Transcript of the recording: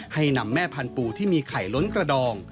ให้นำแม่พันธูที่มีไข่ล้นกระดอง